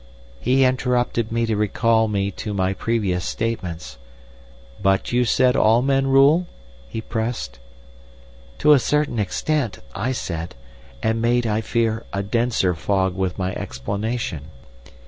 ] "He interrupted me to recall me to my previous statements. 'But you said all men rule?' he pressed. "'To a certain extent,' I said, and made, I fear, a denser fog with my explanation.